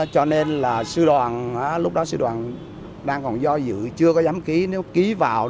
cho nên là sư đoàn lúc đó sư đoàn đang còn do dự chưa có dám ký